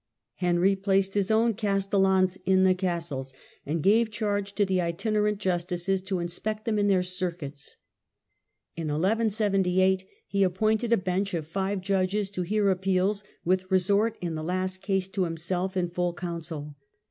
Henry placed his own castellans in the castles, and gave charge to the itinerant justices to inspect them in their circuits. In 1178 he appointed a bench of five judges to hear appeals, with resort in the last case to himself in full council.